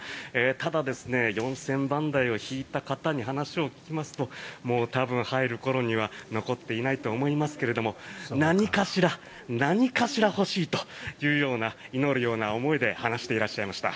ただ、４０００番台を引いた方に話を聞きますと多分、入る頃には残っていないと思いますけれども何かしら欲しいというような祈るような思いで話していらっしゃいました。